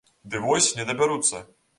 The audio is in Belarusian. Ды вось не дабяруцца.